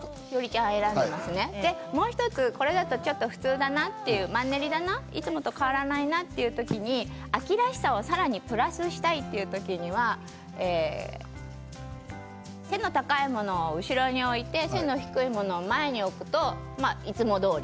これだと普通だマンネリだないつもと変わらないなっていうときに秋らしさをさらにプラスしたいっていうときには背の高いものを後ろに置いて背の低いものを前に置くといつもどおり。